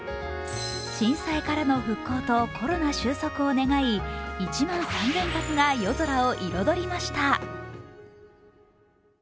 震災からの復興とコロナ収束を願い１万３０００発が夜空を彩りました。